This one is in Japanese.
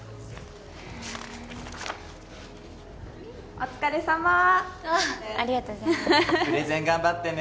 お疲れさまありがとうございますプレゼン頑張ってね